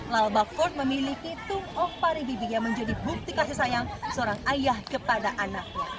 lalbagh fort memiliki tungok paribibi yang menjadi bukti kasih sayang seorang ayah kepada anaknya